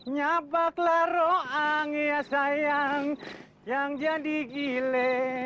nyabaklah roang ya sayang yang jadi gile